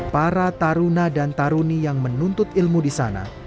para taruna dan taruni yang menuntut ilmu di sana